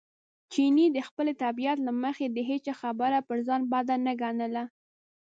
چیني د خپلې طبیعت له مخې د هېچا خبره پر ځان بد نه ګڼله.